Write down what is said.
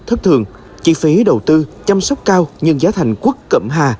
thất thường chi phí đầu tư chăm sóc cao nhưng giá thành quất cậm hà